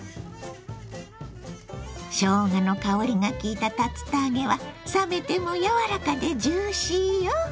しょうがの香りがきいた竜田揚げは冷めても柔らかでジューシーよ。